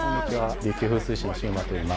琉球風水志のシウマといいます。